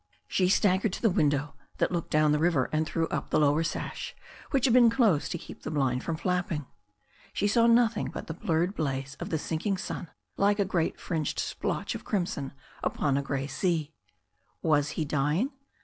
She staggered to the window that looked down the river, and threw up the lower sash, which had been closed to keep the blind from flapping. She saw nothing but the blurred blaze of the sinking sun like a great fringed splotch of crimson upon a grey sea. Was he dying?